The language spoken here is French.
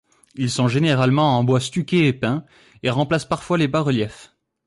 Ils sont généralement en bois stuqués et peint, et remplacent parfois les bas-reliefs.